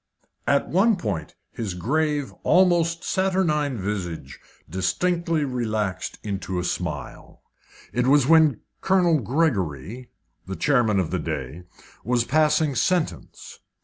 At one point his grave, almost saturnine visage distinctly relaxed into a smile. It was when Colonel Gregory, the chairman of the day, was passing sentence.